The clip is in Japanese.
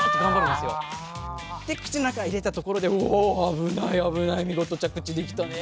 で口の中へ入れたところで「お危ない危ない見事着地できたね。